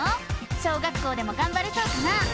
小学校でもがんばれそうかな？